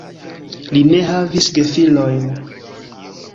Li ne havis gefilojn.